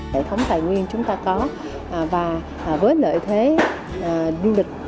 hệ thống tài nguyên chúng ta có và với lợi thế du lịch đó thì nếu mà chúng ta có những chính sách